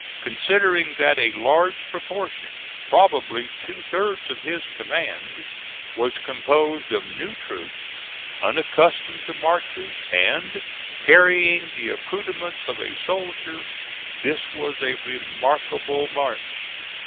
Considering that a large proportion, probably two thirds of his command, was composed of new troops, unaccustomed to marches, and carrying the accoutrements of a soldier, this was a remarkable march.